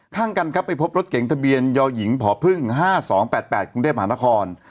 ข้างกันครับไปพบรถเก๋งทะเบียนยหญิงพพ๕๒๘๘กรุงเทพมหานคร